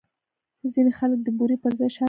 ځینې خلک د بوري پر ځای شات کاروي.